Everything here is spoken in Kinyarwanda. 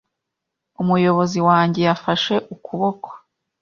Umuyobozi wanjye yafashe ukuboko